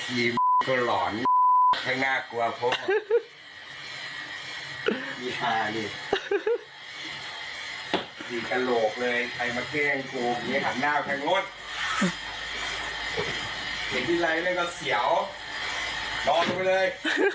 เห็นที่ไรก็เสียวนอนไปเลย